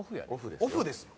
オフですよ？